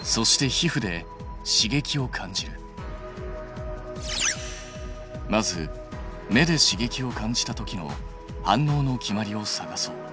まず目で刺激を感じたときの反応の決まりを探そう。